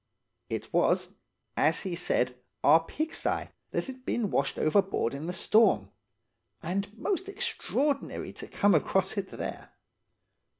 "It was, as he had said, our pigsty that had been washed overboard in the storm; and most extraordinary to come across it there.